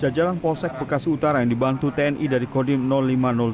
jajaran polsek bekasi utara yang dibantu tni dari kodim lima ratus dua